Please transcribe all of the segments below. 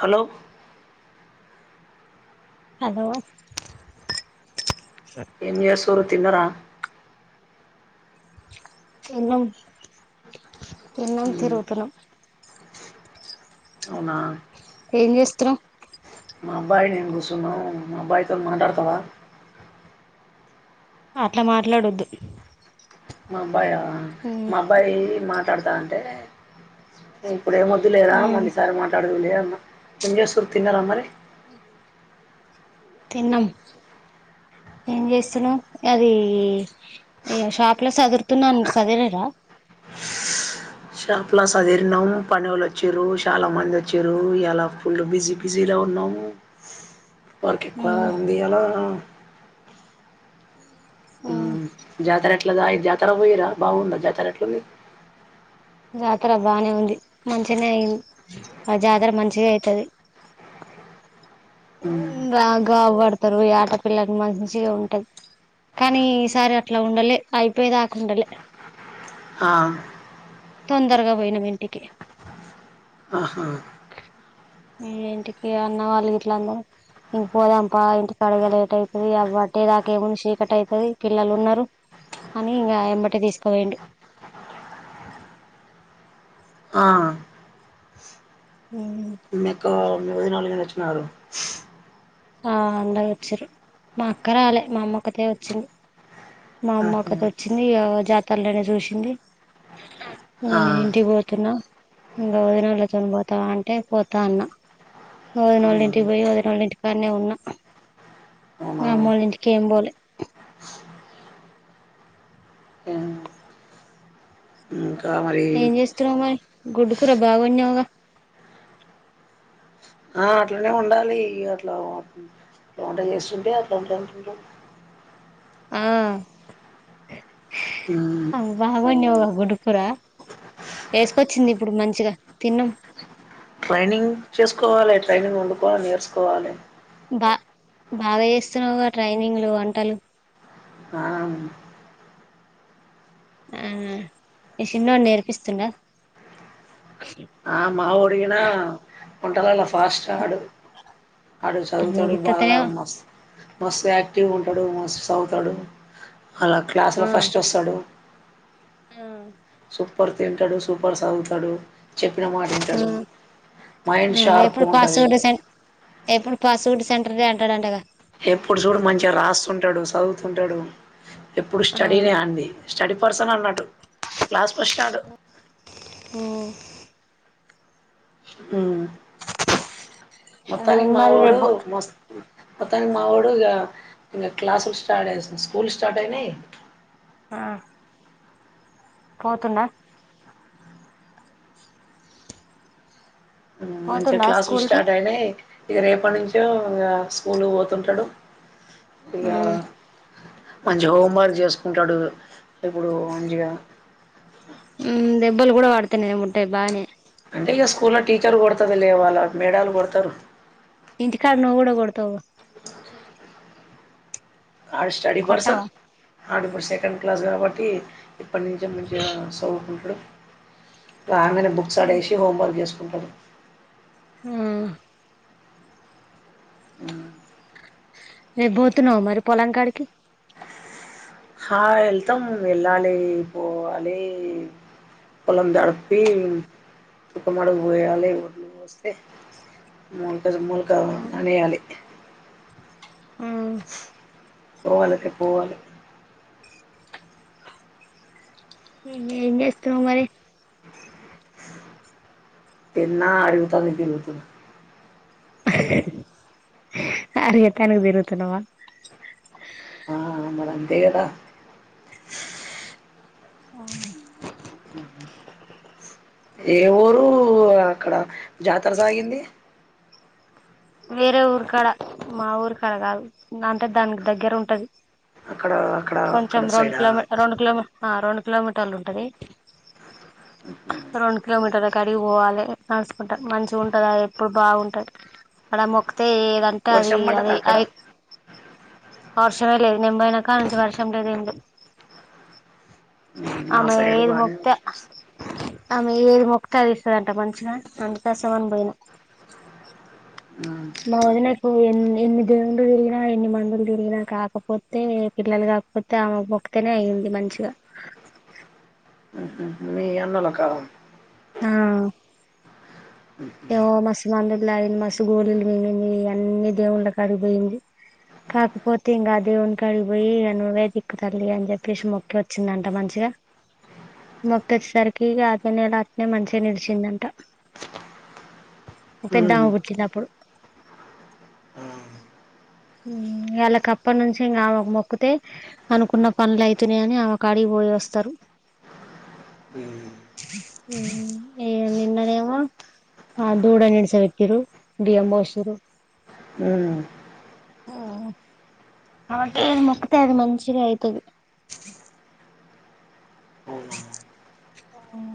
Hello hello ఎం జేస్తురు తిన్నరా అన్నం తినడానికి మ్మ్ పోతరం అవునా ఏం చేస్త్రు మా అబ్బాయి నేను కూర్చున్నావు మా అబ్బాయితో మాట్లాడత రా అట్ల మాట్లాడొద్దు మా అబ్బాయ మా అబ్బాయి మాట్లాడతా అంటే ఇప్పుడు ఏ వొద్దు లేరా మళ్ళీసారి మాట్లాడదు లే అన్న ఏం చేస్తరు తిన్నారా మరి అ తిన్నం ఏం చేస్తున్నావ్ అది షాప్ లో చదురుతున్నాను చదిలేరా షాప్ లా చదిరిినం పని అవల వచ్చారు చాలా మంది వచ్చిరు ఎలా ఫుల్ బిజీ బిజీలో ఉన్నావు వాన్కి పాల్ తియాల జాతర ఎట్లా జాతర పోయిరా బాగుందా జాతర ఎట్ల మీ జాతర బానే ఉంది మంచిగానే అయింది ఆ జాతర మంచిగ అయితది మ్మ్ రాగాబడుత్ ఇద్దరు ఈ ఆటపిల్లలకు మంచిగా ఉంటది కానీ ఈసారి అట్లా ఉండలే అయిపోయే దాకుండలే ఆ తొందరగా పోయినం ఇంటికి అహ ఇంటికి అన్న వాళ్ళు గిట్లందరూ ఇంక పోదాంపా ఇంటికి అడిగ లేట్ అవుతుది అబట్టే దాక ఏముంది చీకట్ అవుతుంది పిల్లలు ఉన్నరు అని ఇంగ ఎంబటె తీసుకు పోయిండు ఆ మీ అక్క మీ వదిన వాళ్ళు కూడా వచ్చినారు ఆ అందరు వచ్చిర్రు మా అక్క రాలే మా అమ్మోక్కతే వచ్చింది మా అమ్మ ఒక్కతె వచ్చింది జాతరలోనే చూసింది ఆ నేను ఇంటికి న్నా ఇంగ వదిన వాళ్ళతోనే పోతావా అంటే పోతా అన్న వదినోళ్ళ అవునా ఇంటికి పోయి వదినోళ్ళ ఇంటి కాన్నే ఉన్నా అవునా మా అమ్మిళ్ళు ఇంటికేం పోలే ఇంకా మరి ఏం చేస్తున్నావ్ మరి గుడ్డు కూర బాగున్నావ్గా ఆ అట్లనే ఉండాలి అట్లా వంట చేస్తుంటే అట్లాంట ఆ ఊ ఎసుకొచ్చింది ఇప్పుడు మంచిగా తిన్నాం ట్రైనింగ్ చేసుకోవాలి ట్రైనింగ్ వండుకోవాలి నేర్చకోవాలి బా బాగా చేస్తున్నావుగా ట్రైనింగ్లు వంటలు ఆ ఆ ఈ చిన్నోడు నేర్పిస్తుండ ఆ మా ఒడిగిన వంటలలో ఫాస్ట్ ఆడు అడు అమ్మో చదువుతాడు గిత్తత్తనే బాగా ఆ మస్తు మస్తు యాక్టివ్ ఉంటాడు మస్తు చదువుతాడు అలా క్లాస్లో ఫస్ట్ వస్తాడు ఆ సూపర్ తింటాడు సూపర్ సదువుతాడు చెప్ అ అ షార్ప్ ఎప్పుడు ఉంటుంది పాస్వడ్ సె ఎప్పుడు పాస్వడ్ సెంటర్ది అంటడు అంటగా ఎప్పుడు చూడు మంచిగా రాస్తుంటాడు చదువుతుంటడు ఎప్పుడు ఆ స్టడీనే అంది స్టడీ పర్సన్ అన్నట్టు క్లాస్ ఫస్ట్ ఆడు ఊ ఊ ఏం మొత్తానికి మా మరి వోడు రేపు మస్త్ మొత్తానికి మా ఓడు ఇగ ఇంగ క్లాసులు స్టార్ట్ వస్ స్కూళ్లు స్టార్ట్ అయినయ్ ఆ పోతుండ మంచిగా పోతుండా క్లాసులు స్కూల్ కి స్టార్ట్ అయినయ్ ఇగ రేపటి నుంచో ఇగ స్కూల్ పోతుంటాడు ఇగ మ్మ్ మంచి హోమ్ వర్క్ చేసుకుంటాడు ఇప్పుడు మంజిగ ఉ దెబ్బలు కూడా వాడతేనే ముట్ట బానే అంటే ఇగ స్కూల్లో టీచర్ కొడతది లే వాళ్ళ మేడలు కొడతారు ఇంటికాడ నువ్వు కూడా కొడతావు ఆ స్టడీ పర్సన్ కొట్టవా అడిప్పుడు సెకండ్ క్లాస్ కాబట్టి ఇప్పటి నుంచే మంచిగా సవుకుంటడు రాగానే బుక్స్ ఆడేసి హోమ్వర్క్ చేసుకుంటాడు మ్మ్ అ రేప్ పోతున్నావా మరి పొలం కాడికి హా వెళ్తాం వెళ్ళాలి పోవాలి కొలం తడుపి తుఖమా పోయాలి వస్తే మూలక మూలక అనేయాలి ఆ పోవాలకే పోవాలే ఏం చేస్తున్నావు మరి పెన్నా అడిగుతాది తిరుగుతది అరిగ తనికి తిరుగుతునవా ఆ మరి అంతే కదా అ ఆ ఏ ఊరు అక్కడ జాతర సాగింది వేరే ఊరు కాడ మా ఊరు కాడ కాదు అంటే దానికి దగ్గర ఉంటది అక్కడ అక్కడ కొంచెం అక్కడ రెండు సైడా కిలోమీ రెండు కిమీ ఆ రెండు కిలోమీటర్లు ఉంటది రెండు కిలోమీటర్లు కా అడిగి పోవాలి అసుకుంటారు మంచిగా ఉంటంద ఎప్పుడు బాగుంటరు అలా మొ అయితే ఏదంటే అది వర్షం అది పడ్డదా అక్కడ అఐ వర్షమే లేదు నింబైనాకా అడ నుంచి వర్షం లేదు ఏం లేదు మా ఆమె సైడ్ ఏది బానే మొక్తే వర్షం వస్తది ఆమె ఏది మొక్త అది ఇస్తుందంట మంచిగా అందుకేసమని పోయినా మ్ మా వదినకు ఎన్ని దేవుళ్ళు తిరిగినా ఎన్ని మందులు తిరిగినా కాకపోతే పిల్లలు కాకపోతే ఆమ్మ మొక్తేనే అయింది మంచిగా మీ అన్నల కాలం ఆ ఏమో మస్ మందులుగింది మసు గోళలు వినింది అన్ని దేవుళ్ళ కాడికిపోయింది కాకుపోతె ఇంకా దేవునికినికి పోయి అ నువే దిక్కు తల్లి అని చెప్పేసి మొక్కి వచ్చిందంట మంచిగా మొక్త వచ్చేసరికిక అత నెల అతనే మంచిగా నిడిచిందంట మ్ పెద్దామ పుట్టినప్పుడు వాళ్ళకప్పటి నుంచి ఇంకా ఆమెకు మొక్కితే అనుకున్న పనులు అయితున్నాయని ఆమె కాడికి పో పోయి వస్తారు హ్మ్ ఏ నిన్న నేమో ఆ దూడ నిడ్స పెట్టిరు బియ్యం పోసిరు హ్మ్ అ మొకుతా అది మంచిగా అయితది మ్మ్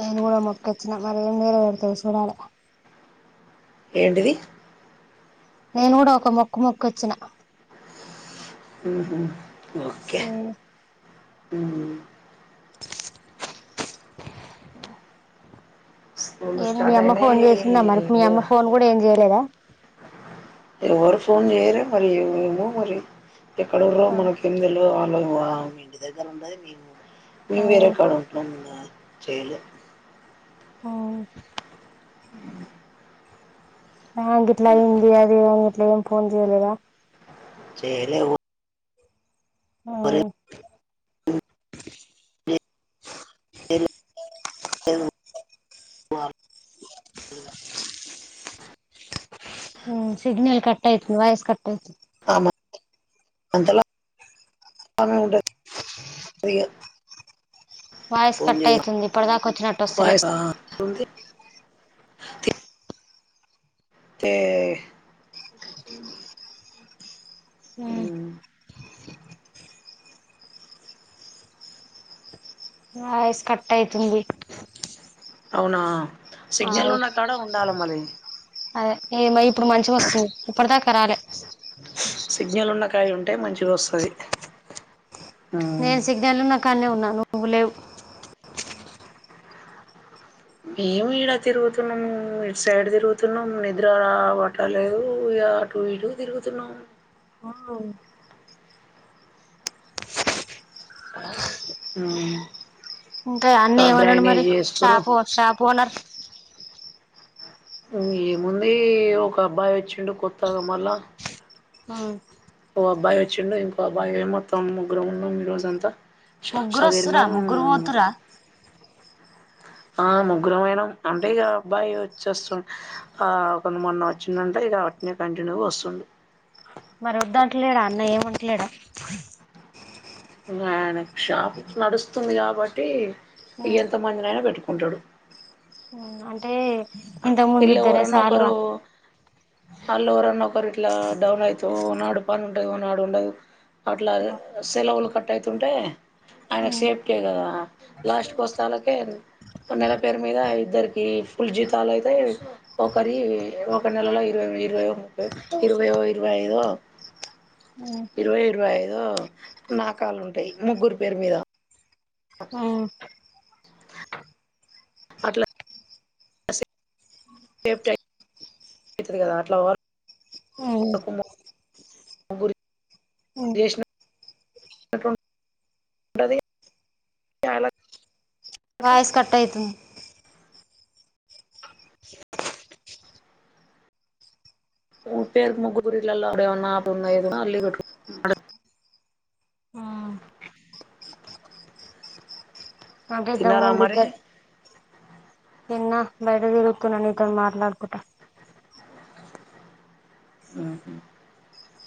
నేను కూడా మొక్కొచ్చిన మరీ ఏం నీర పెడతాందో చూడాలి ఏంటిది నేను కూడా ఒక మొక్క్క మొక్క్కొచ్చిన మ్హ్ ఓకే హ్మ్ స్కూల్ ఎంది మీ స్టార్ట్ అమ్మ ఫోన్ అయినాయి చేసిందా మరి మీ ఇగ అమ్మ ఫోన్ కూడా ఏం చేయలేదా ఎవరు ఫోన్ చేయలే మరి ఎమో మరి ఎక్కడుర్రో ఆ మనకి ఎమ్ తేల్వద్ అ [inaudible] ఇంటి దగ్ర ఉండదు మేముకుడ మేమ్ వేరేకాడ ఉంటమ్ ఇంగ చేయలే హ్మ్ ఆ గిట్లా అయింది అది అ ఇట్లా ఏం ఫోన్ చేయలేద చేయలే ఎవ ఆ [inaudible] హ్మ్ సిగ్నల్ కట్ అయితుంది వయస్ కట్టయితుం ఆమ అంతల అమె ఉంటందిగా వాయిస్ పోన్ కట్ చేయ్య అయితుంది ఇప్పటిదాకా వచ్చినట్టు వస్తలే వాయిస్ అట్లుంది తి తే హ్మ్ వయిస్ కట్ ఐతుంది అవునా సిగ్నల్ ఉన్నా కాడ ఉండాల మలి అదే ఏమే ఇప్పుడు మంచిగ వస్తుంది ఇప్పటి దాకా రాలే టే మంచిగా వస్తుంది నేను సిగ్నల్ ఉన్న కన్నే ఉన్న నువ్వు లేవు మేము ఇడ తిరుగుతున్నాము ఇట్ సైడ్ తిరుగుతున్నాం నిద్రా పట్టలేదు ఇగ అటుూ ఇటుూ తిరుగుతున్నాం హో హ్మ్ ఇంకా అన్న ఏమన్నాడు మరి షాపు షాపు ఓనర్ ఏముంది ఒక అబ్బాయి వచ్చిండు కొత్తాగా మళ్ళా ఓ అబ్బాయి వచ్చిండు ఇంకో అబ్బాయి ఏమే తోం మొత్తం ముగ్గురు ఉన్నం ఊ రోజంతా చా ముగ్గురు వస్తురా సదిర్ణం ముగ్గురు పోతురా [inaudible] ఆ ముగ్గురంమైనం అంటే ఇగ అబ్బాయి వచ్చేస్తుండ్ ఆ కొంత మంది వచ్చిందంటే ఇగ ఇగ కంటిన్యూగా వస్తుంది మరి వద్దంటలేడా అన్న ఏమ్ అంటలేడా ఇగ ఆయనకి షాపింగ్ నడుస్తుంది కాబట్టి ఇగ ఎంత మందినైనా పెట్టుకు ఉంటాడు హ్మ్ అంటే ఇంతకు ముందు ఇళ్ల ఇద్దరే ఓరన్న ఒకరు సాలువా అళ్ళవోరన్న ఒకరు ఇ ఇట్లా డౌన్ ఐతావ్ ఓనాడు పని ఉంటది ఓనాడు ఉండదు అట్లా సెలవులు కట్ట ఐతుంటే ఆమేకు సేఫ్టీ ఏ కదా లాస్ట్కి వస్తాళ్కే నెల పేరు మీద ఇద్దరికి ఫుల్ జీతాలు అయి [inaudible] ఒక్కరి ఈ ఒక నెలలో ఇరవై ఇరవై ముప్పై ఇరవై ఓ ఇరవై ఐదో ఇరవై ఇరవై ఐదో నాకాలుంటాయి ముగ్గురు పేరు మీద హ్మ్ అట్లా సేప్టి ఐతయ్ అయితది కదా అట్లా ఓవర్ హా యు గురి హా అట్లుంటదీ [unintelligible] వాయస్ కట్ అయితుందీ ఉంటే ముగురిట్లల్ల ఏమన్నా అదున్న ఇదున్నా అల్లే కట్కున్ అంటే తిన్నారా ఇంతముందు మరి ఇద్దరిది తిన్న బయటా తిరుగుతున్న నీతోటి మాట్లాడుకుట హ్మ్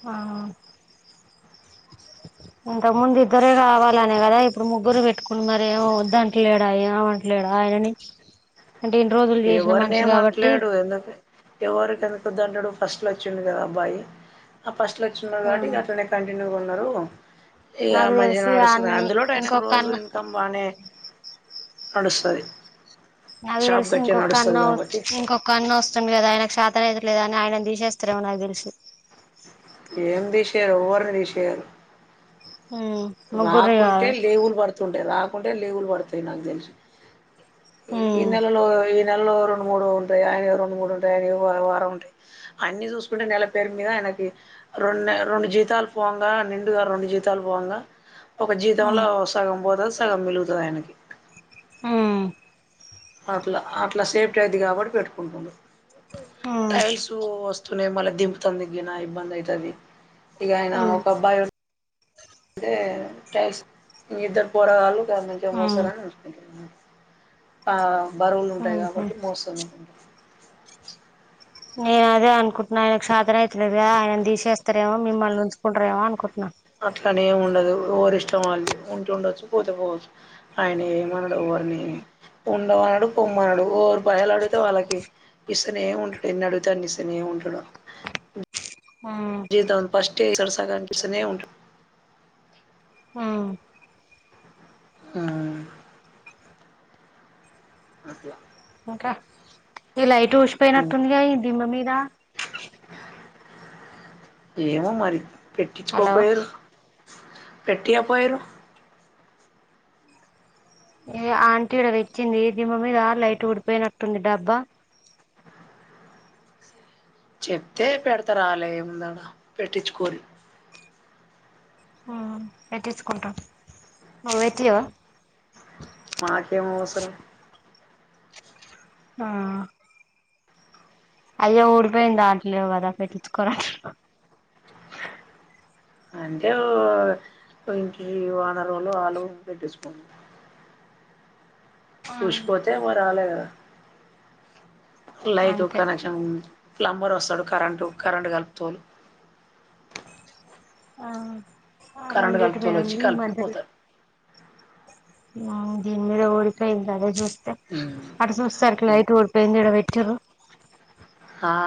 మా ఇంత ముందు ఇద్దరే కావాలనే కదా ఇప్పుడు ముగ్గురు పెట్టుకుని మరేమో వద్దు అంటలేడా ఏమంట్లేడా డా అయిననీ ఎవరినేం అట్లేడు ఎందుకు ఎవరికి ఎందుకద్దంటడు ఫస్ట్లో వచ్చిడు కదా అబ్బాయి ఆ ఫస్ట్లో వచ్చిండు కావట్టి ఇగ అట్లనే కంటిన్యూగా ఉన్నాడు ఇక నాకు మంచిగా తెలిసి ఆ నడుస్తుంది అన్నని అందులోటి ఆయనకు ఇంకొక రోజు అన్న ఇన్కమ్ బానే నడుస్తది నాకు తెలిసి ఇంకొక అన్న ఇంకొక అన్న వస్తుండు కదా ఆయన చతనయిత లేదు అని ఆయననీ తీసేస్తారేమో నాక్ తెలిసి ఏం తీసేయారు ఏవర్ని తీసేయారు ఉమ్ ముగ్గురు రాకుంటే కావాలి లేవులు పడుతుంటాయి రాకు ఉంటే లేవులు పడతాయి నాక్ తెలిసి గీ ఉమ్ నేలలు నెలలో రెండు మూడు ఉంటాయి అయినాయి రెండు మూడు ఉంటాయి ఆయన వారం ఉంటాయి అన్ని చూసుకుంటే నెల పేరు మీదయిన కి రెం రెండు జీతాలు పోంగా నిండుగా రెండు జీతాలు పోవంగా ఒక జీతంలో ఉమ్ సగం పోతది సగం మిలుగుతది ఆయనకి హు అట్లా అట్లా సేఫ్టీ అయిది కాబట్టి పెట్టుకుంటుండు ఉమ్ టైల్స్ వస్ నే మళ్ళా దింపుతందుకుగిన ఇబ్బంది అయితది ఇగ ఆయన ఉమ్ ఒక అబ్బాయి ఓస్ స్తే ఇద్దరు పోరగాళ్ళు మంచం మోస్తారా అని అనుకుంటుడు ఆ బరువులు ఉంటాయి ఉహు కాబట్టి మోస్తాము నేను అదే అనుకుంటన్నా ఆయనకి ఛాతనా అయితలేదుగా ఆయననీ తీసేస్తే ఏమో మిమ్మల్ని ఉంచుకుంటరేమో అనుకుంటున్నా అట్లనే ఏమి ఉండదు ఎవరి ఇష్టం వాళ్ల్ది ఉంటుండొచ్చు పోతే పోవచ్చు ఆయన ఏం మనడు ఎవరిని ఉండన్నాడు పోమ్మన్నాడు ఎవరు పైసలు అడుగుతే వాళ్ళకి ఇస్సనే ఉంటాడు ఎన్ని అడుగుతే అన్ని ఇస్తనే ఉంటాడు ఆ అ జీతాను ఫస్టే ఇక్కడ సాగని ఇస్తానే ఉంటడు హా హా అట్లా ఇంకా ఈ లైట్ ఉమ్. ఊసిపోయినట్టుందిగా ఈ దిమ్మ మీద ఏమో మరి హలో పెట్టించుకోపోయిరు పెట్టయాపొయ్యిరూ ఏ ఆంటీ ఇక్కడ తెచ్చింది దిమ్మ మీద లైట్ ఊడిపోయినట్టుంది డబ్బా ఆ చెప్తే పెడత రాలే ఏముందడా పెట్టించుకోరు ఉ పెట్టిచుకుంటా నువ్ వెట్టియవా మాకేమవసరం ఆ అయ్యో ఊడిపోయిందంట్లేవ్ గదా పెట్టిచుకోరా అంటే ఓంకి వానరోళ్లు వాళ్ళు పెట్టిచ్చుకోం ఉష్పోతే ఓరలెగదా లైట్ అంతే కనెక్షన్ ప్లంబర్ వస్తాడు కరెంటు కరెంటు కలుపుతోల్ ఆ కరెంటు అరొంటి మీద కలుపుతోలు వచ్చి ఉంది మద్య కలిపిపోతారు దీన్ మీద ఊడిపోయి అదే జోస్తే అట్ చూసేసరిక్ లైట్ ఉడ్ పోయింది ఆడ పెట్టిర్రు ఆ